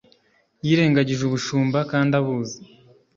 yirengagije ubushumba kandi abuzi